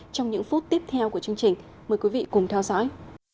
trong những phút tiếp theo của chương trình mời quý vị cùng theo dõi